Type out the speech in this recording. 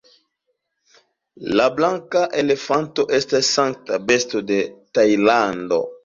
La blanka elefanto estas sankta besto en Tajlando.